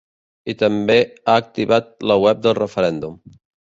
I també ha activat la web del referèndum.